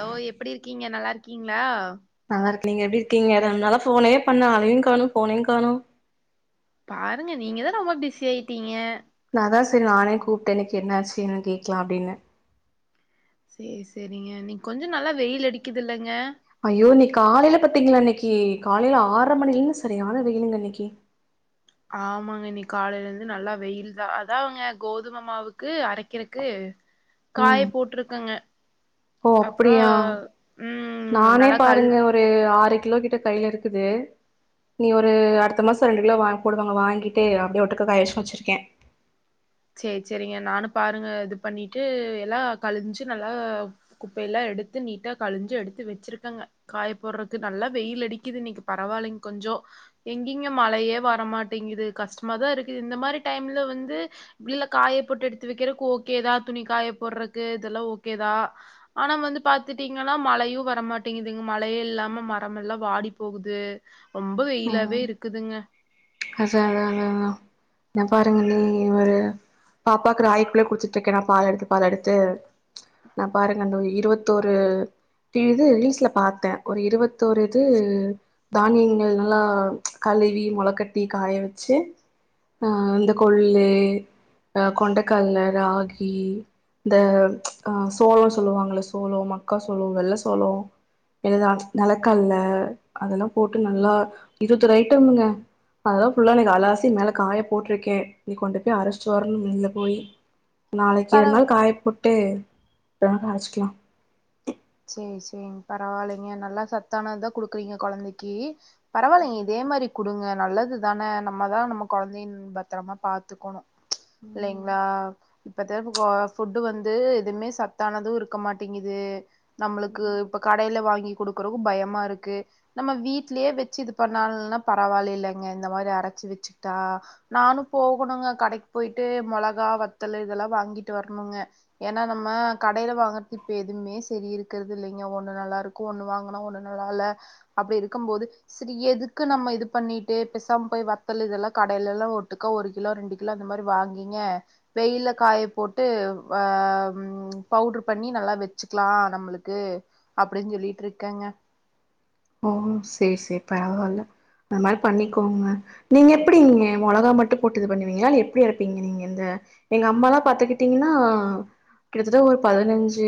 Hello எப்டி இருக்கீங்க நல்லா இருக்கீங்ளா நல்லா இருக்க எப்டி இருக்கீங்க ரெண்டுனால போனே பண்ண ஆளையும் காணு போனையு காணு பாருங்க நீங்கதா ரொம்ப பிஸி ஆயிட்டீங்க நாதா செரி நானே கூப்பிட்ட இன்னிக்கு என்னாச்சு என்னனு கேக்கலாம அப்டின்னு சேரி செரிங்க இன்னிக்கு கொஞ்சம் நல்லா வெயில் அடிக்குது இல்லங்க ஐயோ இன்னிகா காலைல பாத்தீங்களா இன்னிக்கி காலையில ஆற்ற மணிலருந்து சரியான வெயிலுங்க இன்னிக்கி ஆமாங்க இன்னைக்கு காலையில இருந்து நல்லா வெயில் தா அதான்ங்க கோதும மாவுக்கு அரைக்கறக்கு காய ம் போட்டுருக்கங்க ஓ அப்புறோ அப்டியா உம் நானே நல்லா கழு பாருங்க ஒரு ஆறு கிலோ கிட்ட கையில இருக்குது நீ ஒரு அடுத்த மாசோம் ரெண்டு கிலோ வாங் போடுவாங்க வாங்கிட்டு அப்டியே ஒட்டுகாக்கா காயவெச்சிட் வெச்சுருக்கே சேரி செரிங்க நானு பாருங்க இது பண்ணிட்டு எல்லா கழிச்சு நல்லா குப்பை எல்லா எடுத்து நீட்டா கழிஞ்சு எடுத்து வொச்சிருக்கங்க காய போறது நல்லா வெயில் அடிக்குது இன்னைக்கு பரவால்லிங்க கொஞ்சோ எங்கிங்க மழையே வரமாட்டேங்குது கஷ்டமாதா இருக்குது இந்த மாதிரி டைம்ல வந்து உள்ள காய போட்டு எடுத்து வெக்கிறக்கு ஓகேதா துணி காய போட்றக்கு இதல்லா ஓகேதா ஆனா வந்து பாத்துட்டீங்கனா மழையு வரமாட்டேங்குதுங்க மழையே இல்லாம மரம்மெல்லாம் வாடி போகுது ரொம்ப வெயிலாவே ம் இருக்குதுங்க அதா அதாங்ங எல்லா எப்ப பாருங்க நீ ஒரு பாப்பாவுக்கு ராயிக்ககூழே குடுத்துட்டுருக்கே நா பால் எடுத்து பால் எடுத்து நா பாருங்க அந்த இருவத்தோரு இது ரீல்ஸ்ல பாத்தே ஒரு இருவத்தோரு இது தானியங்கள் நல்லா கழுவி முளக்கட் ட்டி காய வெச்சு ஆஹ் இந்த கொள்ளு ஆஹ கொண்டைக்கல்ல ராகி இந்த அஹ் சோளோ சொல்லுவாங்களே சோளோ மக்கா சோளோ வெள்ள சோளோ இதுதா நெலக்கல்ல அதெல்லா போட்டு நல்லா இருவத்தோர் ஐட்டம்ங்க அததா புல்லா இன்னிக்கு அலாசி மேல காய போட்டிருக்கே இனி கொண்டு போய் அரைச்சிட்டு வரனு மில்ல போயி நாளக்கி ஒரு பரவ நாள் காய போட்டு பிறகு அரச்சுக்கலா சேர் சேரிங் பரவால்லைங்க நல்லா சத்தானதுதா குடுக்குறீங்க கொழந்தக்கி பரவால்லைங்க ம் இதே மாரி குடுங்க நல்லது தா நம்ம தா நம்ம குழந்தையின் பத்தரமா பாத்துக்கணு இல்லைங்ளா இப்ப திருப்பி போக ஃபுட்டு வந்து எதுமே சத்தானது இருக்க மாட்டிங்கிது நம்மளுக்கு ம் இப்ப கடையில வாங்கி குடுக்குறக்கு பயமா இருக்கு நம்ம வீட்லயே வச்சு இது பண்ணாலுன்னா பரவாயில்லேலங்க இந்த மாரி அரச்சு வச்சுக்ட்டா நானு போகணுங்க கடைக் போயிட்டு மொளகா வத்தலு இதல்லா வாங்கிட்டு வரணுங்க ஏன்னா நம்ம கடேல வாங்கறது இப்ப எதுமே சரி இருக் கறது இல்லைங்க ஒண்ணு நல்லா இருக்கு ஒண்ணு வாங்குனா ஒண்ணு நல்லா இல்ல அப்டி இருக்கும் போது சரி எதுக்கு நம்ம இது பண்ணிட்டு பெசாம போய் வத்தலு இதல்லா கடேல எல்லா ஒட்டுக்க ஒரு கிலோ ரெண்டு கி லோ அந்த மாரி வாங்கிங்க வெயில்ல காய போட்டு ஆ பவ்ட்ரு பண்ணி நல்லா வச்சுக்கலா நம்மளுக் கு அப்டின் சொல்லிட் இருக்கேங்க ஓ சேர் சேர் பரவால்ல அந்த மாரி பண்ணிக்கோங்க நீங்க எப்டி நீங்க மொளகா மட்டு போட்டு இது பண்ணுவீங்களால இல்ல எப்டி அரப்பீங்க நீங்க இந்த எங்க அம்மாலா பாத்துக்கிட்டீங்ன்னா கிட்டத்தட்ட ஒரு பதனஞ்சு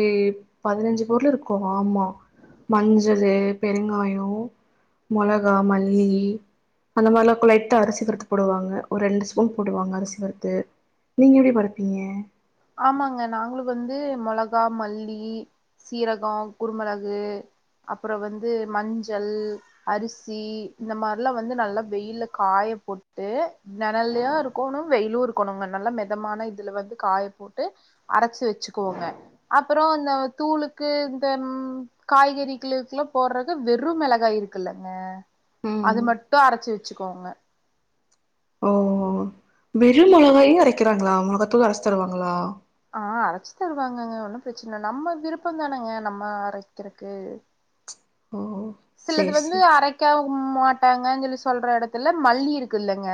பதனஞ்சு பொருள் இருக்கு ஆமா மஞ்சளு பெருங்காயோ மொளகா மல்லி அந்த மாரிலா இருக்கு லைட்டா அரிசி வறுத்து போடுவாங்க ஒரு ரெண்டு ஸ்பூன் போடுவாங்க அரிசி வறுத்து நீங்க எப்டி பறுப்பீங்க ஆமாங்க நாங்களு வந்து மொளகா மல்லி சீரகோ குருமெளகு அப்பற வந்து மஞ்சள் அரிசி இந்த மாரிலா வந்து நல்லா வெயில்ல காய போட் டு நெழல்லயு இருக்கணு வெயிலு இருக்கணுங்க நல்லா மெதமான இதுல வந்து காயப் போட்டு அரச்சு வச்சுக்குவோங்க அப்பறோ இந்த தூளுக்கு இந்த காய்கறிக்கிதுக்கெளுகல்லா போட்றது வெறு மெளகாய் இருக்குல்லங்க அது ம் மட்டு அரச்சு வச்சுக்கோங்க ஓ வெரு மெளகாயு அரைக்கிறாங்களா மொளகாத்ததூள் அரச்சு தருவாங்களா ஆ அரைச்சு தருவாங்கங்க ஒன்னு பிரச்சன இல்ல நம்ம விருப்பம் தானங்க நம்ம அரைக்கிறக்கு ஓ ஓ சிலது வந்து அரைக்கா மாட்டாங்க க சொல்லி சொல்ற எடத்துல மல்லி இருக்குல்லங்க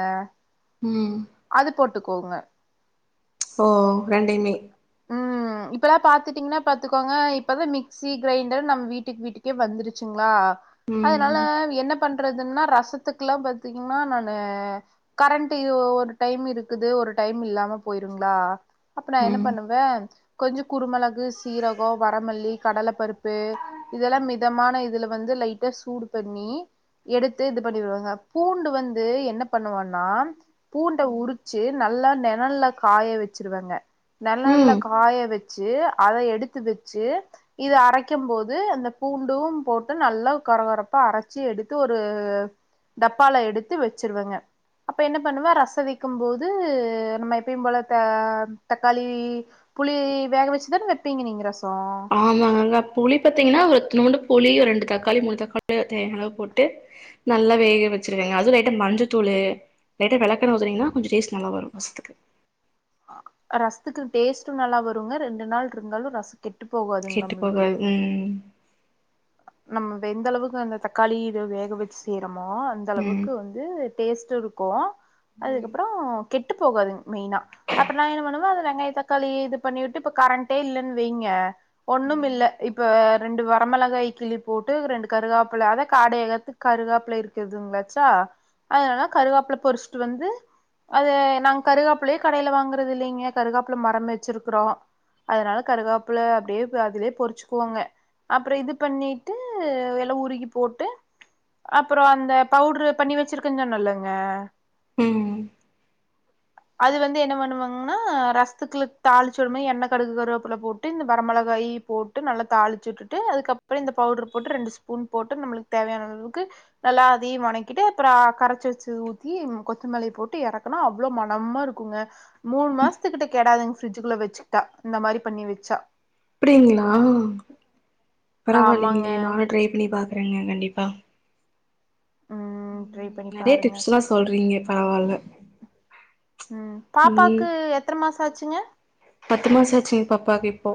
ம் அது போட்டுக்கோங்க ஓ ரெண்டையுமே இப்பலா பாத்துட்டீங்ன்னா பாத்துக்கோங்க இப்ப தா மிக்சி கிரைண்டர் நம்ம வீட்டுக் வீட்டுக்கே வந்துருச்சுங்ளா அதுனால ம் என்ன பண்றதுன்னா ரசத்துக்குல்லா பாத்தீங்னா நானு கரண்ட்டு ஒரு டைம் இருக்குது ஒரு டைம் இல்லாம போயிருங்ளா அப்ப நா என்ன ம் பண்ணுவே கொஞ்சோ குருமெளகு சீரகோ வரமல்லி கடல பருப் பு இதல்லா மிதமான இதுல வந்து லைட்டா சூடு பண்ணி எடுத்து இது பண்ணிருவங்க பூண்டு வந்து என்ன பண்ணுவனா பூண்ட உருச்சு நல்லா நெழல்ல காய வச்சுருவங்க நெழல்ல ம் காய வச்சு அத எடுத்து வச்சு இது அரைக்கும் போது அந்த பூண்டும் போட்டு நல்லா கொர கொரப்பா அரச்சு எடுத்து ஒரு டப்பால எடுத்து வச்சிருவங்க அப்ப என்ன பண்ணுவ ரசம் வெக்கும் போது நம்ம எப்பயும் போல த தக்காளி புளி வேக வச்சுதானே வெப்பீங்க நீங்க ரசோ ஆமாங்க புளி பாத்தீங்கன்னா இத்னூண்டு புளி ரெண்டு தக்காளி மூணு தக்காளி தேன் அளவு போட்டு நல்லா வேக வச்சிருவேங்க அதுவும் இல்லட்ட மஞ்ச தூளு லைட்டா வெளக்கெண்ண ஊத்துனிங்கன்னா கொஞ்சோ டேஸ்ட் நல்லா வரும் வாசத்துக்கு அ ரசத்துக்கு டேஸ்ட்டும் நல்லா வருங்க ரெண்டு நாள்க்கு இருந்தாலும் ரசோ கெட்டு போகாதுங்க கெட்டு நம்ளுக்கு போகாது ம் நம்ம வெந்தளவுக்கு அந்த தக்காளி இத வேக வச்சு செய்றமோ அந்த ம் அளவுக்கு வந் து டேஸ்ட் இருக்கோ ம் அதுக்கப்பறோ கெட்டு போகாது மெய்னா அப்ப நா என்ன பண்ணுவேன் அந்த வெங்காய தக்காளி இது பண்ணி வுட்டு இப்ப கரண்டே இல்லன்னு வைங்க ஒண்ணும் ம் இல்ல இப்ப ரெண்டு வரமிளகாய் கிள்ளி போட்டு ரெண்டு கருவாப்புல அத காடயகத்துக்கு கருவாப்பில இருக்குதுங்களாச்சா அதனால கருவாப்புல பொறிச்சுட்டு வந்து அது நாங்க கருவாப்புலயே கடைல வாங்குறதே இல்லைங்க கருகாப்புல மரமே வச்சிருக்கறோ அதனால கருகாப்புல அப்டே அதுலயே பொரிச்சுக்குவோங்க அப்பறே இதுக் பண்ணிட்டு எல உருகி போட்டு அப்பறோ அந்த பவுடரு பண்ணி வச்சிருக்ககேன்னுனல்லங்க ம் ம் அது வந்து என்ன பண்ணுவாங்கன்னா ரசத்துக்கு தாளிச்ச உடனே எண்ணெய் கடுகு கருவாப்புல போட்டு இந்த வரமிளகாயி போட் டு நல்லா தாளிச்சு உட்டுட்டு அதுக்கப்பற இந்த பவுடர் போட்டு ரெண்டு ஸ்பூன் போட்டு நம்ளுக்கு தேவையான அளவுக்கு எல்லா அதையும் வனக்கிட்டு அப்பறோ கரச்சி வச்சு ஊத்தி கொத்தமல்லி போட்டு இறக்குனா அவ்ளோ மனம்மா இரு க்குங்க மூணு மாசத்துக்கிட்ட கேடாதுங்க பிரிட்ஜ்க்குள்ள வச்சுக்கிட்டா இந்த மாரி பண்ணி வச்சா அப்டிங்களா ஆமாங்க பரவாயில்லங்களே நானும் ட்ரை பண்ணி பாக்குறங்க கண்டிப்பா ட்ரை ம் பண்ணி நறையா பாருங்க டிப்ஸ்ல்லாம் சொல்றீங்க பரவால்ல ம் ம் பாப்பாக்கு எத்தன மாசோ ஆச்சுங்க பத்து மாசோ ஆச்சு பாப்பாக்கு இப்போ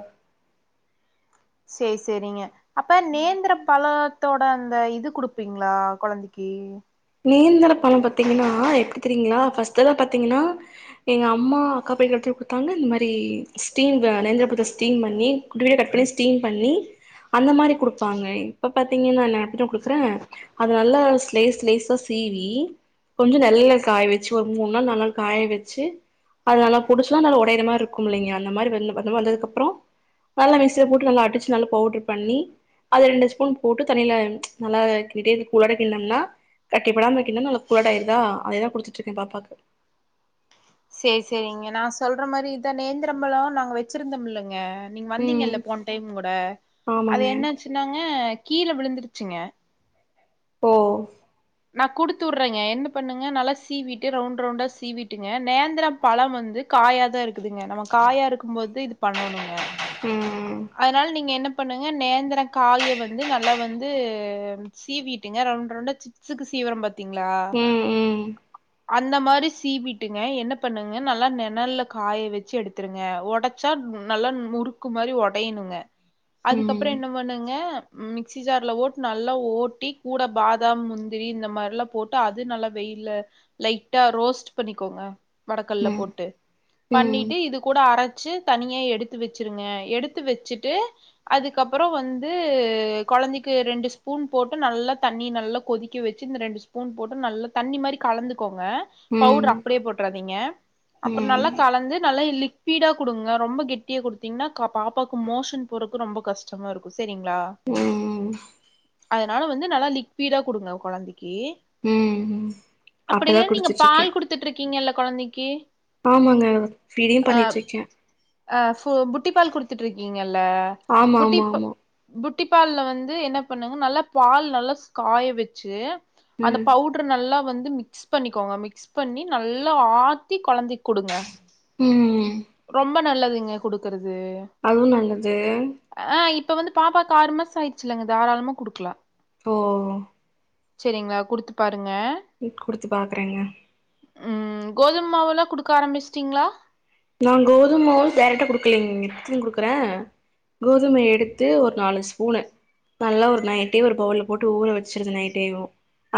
சேர் சேரிங்க அப்ப நேந்ரம் பழத்தோட அந்த இது குடுப்பீங்களா கொழந்தைக்கு நேந்தரம் பழம் பாத்தீங்கன்னா எப்டி தெரியுங்களா ஃபர்ஸ்ட்டலா பாத்தீங்கனா எங்க அம்மா அக்கா போய் வெட்டி குடுத்தாங்க இந்த மாரி ஸ்டீம் வெ நேந்தர பழத்த ஸ்டீம் பண்ணி குட்டி குட்டியா கட் பண்ணி ஸ்டீம் பண்ணி அந்த மாரி குடுப்பாங்க இப்ப பாத்தீங்கன்னா நா எப்பிட்ற குடுக்கறேன் அது நல்லா ஸ்லேஸ் ஸ்லேஸ் கம் சீவி கொஞ்சோ நிழல்ல காய வச்சு ஒரு மூன்நாள் நாலுநாள் காய வச்சு அதெல்லாம் பொடுசா நல்லா உடையற மாரி இருக்கும் இல்லைங்க அந்த மாரி வெள்ல வந்து வந்ததுக்கப்பறோ நல்லா மிக்சில போட்டு நல்லா அடிச்சு நல்லா பவுட்ர் பண்ணி அது ரெண்டு ஸ்பூன் போட்டு தண்ணில நல்லா கின்னிட்டே இருந்து கூழ்ழோட கின்னம்ன்னா கட்டிபடாம வைக்கணும் நல்ல குழாட்டம் ஆயிருதா அத தான் குடுத்துட்டுருக்கே பாப்பாக்கு சேர் சேரிங்க நா சொல்ற மாரி இதான் நேந்திரபழோ நாங்க வச்சிருந்தோம் இல்லங்க நீங்க ம் வந்தீங்கல்ல போன டைம் கூட அது ஆமாங்க என்னச்சுன்னாங்க கீழ விழுந்துருச்சுங்க ஓ நா குடுத்து உடுறேங்க என்ன பண்ணுங்க நல்லா சீவிட்டு ரவுண்ட் ரவுண்டா சீவிட்டுங்க நேந்ரம் பழம் வந்து காயாதான் இருக்குதுங்க நம்ம காயா இருக்கும் போது இது பண்ணணுங்க ம் அ அ அதனால நீங்க என்ன பண்ணுங்க நேந்ர காய வந்து நல்லா வந்து சீவிட்டுங்க ரவுண்ட் ரவுண்டா சிப்ஸ்க்கு சீவரம் பாத்தீங்களா ம் ம் அந்த மாரி சீவிட்டுங்க என்ன பண்ணுங்க நல்லா நிணல்ல காய வச்சு எடுத்துருங்க ஒடச் ச்சாட் நல்லான் முறுக்கு மாரி ஒடைணுங்க. அதுக்கப்புறோ ம் என்ன பண்ணுங்க மிக்சி ஜார்ல ஒட் நல்லா ஓட்டி கூட பாதாம் முந் திரி இந்த மார்ல்லா போட்டு அது நல்லா வெயில்ல லைட்டா ரோஸ்ட் பண்ணிக்கோங்க. வடக்கல்ல ம் போட்டு ம் பண்ணிட்டு இது கூட அரச்சு தனியா எடுத்து வெச்சிருங்க எடுத்து வெச்சிட்டு அதுக்கப்புறோ வந்து கொழந்தைக்கு ரெண்டு ஸ்பூன் போட்டு நல்லா தண்ணிய நல்லா கொதி க்க வெச்சு இந்த ரெண்டு ஸ்பூன் போட்டு நல்லா தண்ணி மாரி கலந்துக்கோங்க. ம் பவுட்ரு அப்டியே போட்றாதிங்க. அப்புற் ம் நல்லா கலந்து நல்லா லிக் விடா குடுங்க ரொம்ப கெட்டியா குடுத்திங்ன்னா க பாப்பாக்கு மோஷன் போறக்கு ரொம்ப கஷ்டமாரு க்கு செரிங்ளா? ம் ம் அதனால வந்து நல்லா லிக்விடா குடுங்க கொழந்திக்கி. ம் ம் அப்டிதா குடுத்துட்ருக்கே. த்துட்ருக்கிங்கள்ல கொழந்தைக்கி ஆமாங்க ஃபீடியு பண்ணிட்ருக்கே. ஆ ஃபு புட்டி பால் குடுத்துட்ருக்கீங்கள்ல ஆமா ஆமா புட்டிப் ஆமா புட்டி பால்ல வந்து என்ன பண்ணுங்க நல்லா பால் நல்லாஸ் காய வெச்சு அந்த ம் பவு டர் நல்லா வந்து மிக்ஸ் பண்ணிக்கோங்க மிக்ஸ் பண்ணி நல்லா ஆத்தி கொழந்தைக் குடுங்க. ம் ம் ம். ரொம்ப நல்லதுங்க குடுக்கறது. அதுவு நல்லது. ஆ இப்ப வந்து பாப்பாக்கு ஆறு மாச ஆயிட்ச்சுல்லங்க தாராள்மா குடுக்லா. போ செரிங்ளா குடுத்து பாருங்க. டி குடுத்து பாக்கறேங்க. ம் கோதும் மாவெல்லா குடுக்க ஆரம்பிச்ட்டிங்ளா? நா கோதும் மாவு டைரக்ட்டா குடுக்கலைங் இட்லிங் குடுக்குறே. கோதும எடுத்து ஒரு நாலு ஸ்பூனு நல்லா ஒரு நைட்டே ஒரு பவுல்ல போட்டு ஊற வெச்சிருங்க நைட்டேவு.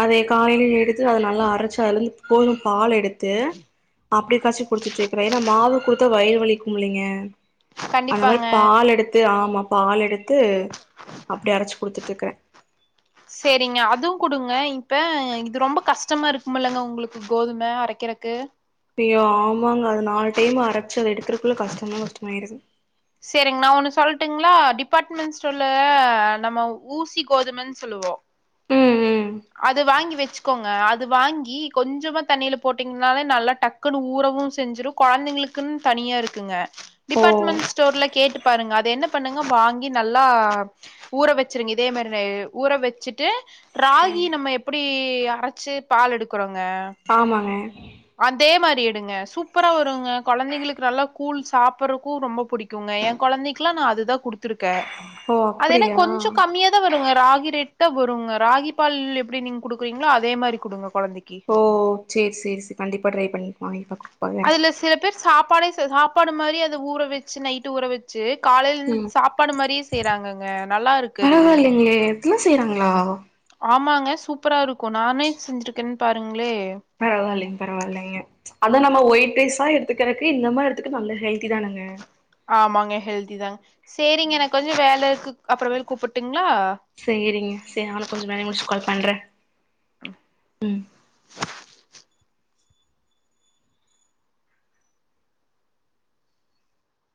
அதைய காலைல எடுத்து அத நல்லா அரைச்சு அதுலந்து கோதும் பால் எடு த்து அப்டி காய்சி குடிச்சிட்ருக்கறே ஏனா மாவு குடுத்தா வயிறு வலிக்கும் இல்லீங்க. அந்த மாரி கண்டிப்பாங்க பால் எடுத்து ஆமா பால் எடுத்து அப்டி அரைச்சு குடுத்துட்டுக்கறே. செரிங்க அதுவு குடுங்க இப்ப இது ரொம்ப கஷ்டமா இருக்குமல்லங்க உங்குளுக்கு கோதும அரைக்கறக்கு ஐயோ ஆமாங்க அது நாலு டைம் அரைச்சு அத எடுக்கறக்குள்ள கஷ்டனா கஷ்டமாயிருது. செரிங் நா ஒன்னு சொல்ட்டுங்ளா டிபாட்மெண் ஸ்டோல நம்ம ஊசி கோதுமன் சொல்லுவோ ம் ம். அது வாங்கி வெச்சுக்கோங்க அது வாங்கி கொஞ்சமா தண்ணில போட்டீங்னாலே நல்லா டக் குனு ஊறவு செஞ்சிரு கொழந்தைங்களுக்குன் தனியா இருக்குங்க. ஓ டிபாட்மெண் ஸ்டோர்ல கேட்டு பாருங்க அது என்ன பண்ணு ங்க வாங்கி நல்லா ஊற வெச்சிருங்க இதே மாரி ஊற வெச்சிட்டு டி நம்ம எப்பிடி அரச்சு பால் எடுக்குறோங்க ஆமாங்க. அதே மாரி எடுங்க சூப்பரா வருங்க கொழந்தைங்களுக் நல்லா கூழ் சாப்பறக்கு ரொம்ப புடி க்குங்க எ கொழந்தைக்லா நா அதுதா குடுத்துருக்கே ஓ அதென்ன அப்டியா கொஞ்சோ கம்மியா தா வருங்க ராகி ரேட்தா வருங்க ராகி பால் எப்பிடி நீங் குடுக்கறிங்ளோ அதே மாரி குடுங்க கொழந்தை ஓ சேர் சேர் சேரி கண்டிப்பா ட்ரை பண்ணிவாங்கி பாக்குறோ அதுல சில பேர் சாப்பாடே சாப்பாடு மாரி அத ஊற வெச்சி நைட்டு ஊற வெச் சி காலையில் ம் சாப்பாடு மாரியே செய்யறாங்கங்க நல்லா இருக்கு அது எல்லா செய்றாங்ளா ஆமாங்க சூப்பரா இருக்கு நானே செஞ்சுருக்கேன்னா பாருங்ளே பரவாலிங் பரவாலிங்க அதா நம்ம ஒயிட் ரைஸா எடுத்துக்குறதுக்கு இந்த மாரி எடுத்துக்க நல்ல ஹெல்திதானங்க ஆமாங்க ஹெல்தி தாங்க சேரிங்க எனக்கு கொஞ்சோ வேல இருக்கு அப்பரமேல் கூப்பட்டுங்ளா சேரிங்க செரி நானு கொஞ்சம் வேலய முடிச்சு கால் பண்றே